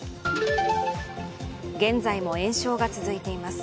現在も延焼が続いています。